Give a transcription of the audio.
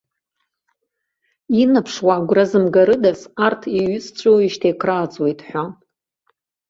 Инаԥшуа агәра зымгарыдаз, арҭ еиҩызцәоуижьҭеи акрааҵуеит ҳәа.